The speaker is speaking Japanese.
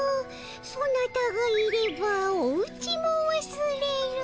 ソナタがいればおうちもわすれる」。